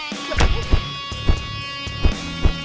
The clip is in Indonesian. ya udah bang